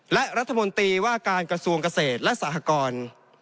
และรัฐมนตรีว่าการกระทรวงเกษตรและสหกร